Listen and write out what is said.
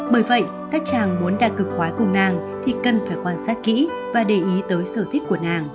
bởi vậy các chàng muốn đạt cực khoái cùng nàng thì cần phải quan sát kỹ và để ý tới sở thích